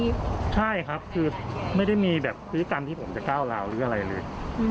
ใช่ครับคือไม่ได้มีแบบพฤติกรรมที่ผมจะก้าวราวหรืออะไรเลย